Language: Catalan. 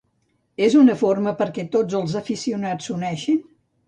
És una forma perquè tots els aficionats s'uneixin?